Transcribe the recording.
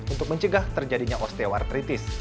untuk mencegah terjadinya osteoartritis